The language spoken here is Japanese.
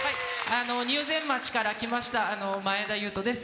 入善町から来ましたまえだです。